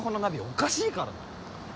おかしいからな？